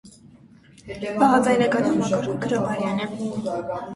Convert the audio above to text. Բաղաձայնական համակարգը գրաբարյան է։